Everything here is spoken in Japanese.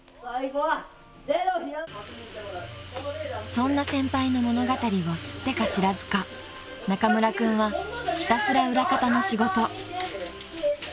［そんな先輩の物語を知ってか知らずか中村君はひたすら裏方の仕事］